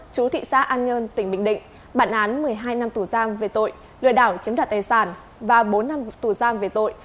chú thị xã an nhơn tỉnh bình định bản án một mươi hai năm tù giam về tội lừa đảo chiếm đoạt tài sản và bốn năm tù giam về tội